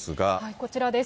こちらです。